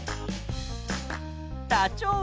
ダチョウ。